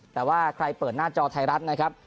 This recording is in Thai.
แต่ว่าใครเปิดหน้าจอไทยรัฐนะครับ